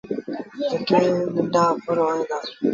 جيڪي ننڍآ ڦر هوئين دآ۔